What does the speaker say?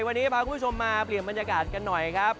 วันนี้พาคุณผู้ชมมาเปลี่ยนบรรยากาศกันหน่อยครับ